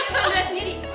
mas dia beneran sendiri